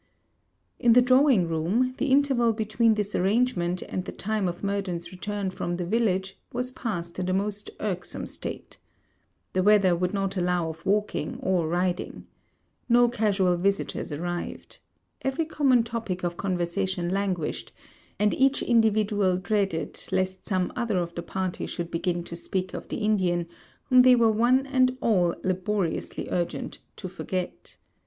In the drawing room, the interval between this arrangement and the time of Murden's return from the village was passed in a most irksome state. The weather would not allow of walking, or riding. No casual visitors arrived. Every common topic of conversation languished; and each individual dreaded lest some other of the party should begin to speak of the Indian, whom they were one and all laboriously urgent to forget.